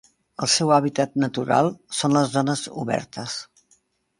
El seu hàbitat natural són les zones obertes.